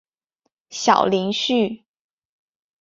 小林旭。